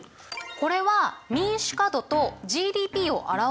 これは民主化度とＧＤＰを表したグラフ。